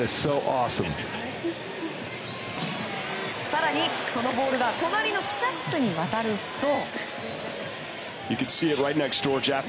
更にそのボールが隣の記者室に渡ると。